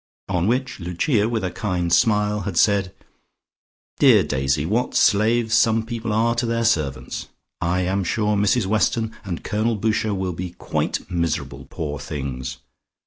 On which Lucia with a kind smile had said, "Dear Daisy, what slaves some people are to their servants. I am sure Mrs Weston and Colonel Boucher will be quite miserable, poor things.